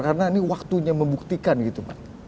karena ini waktunya membuktikan gitu pak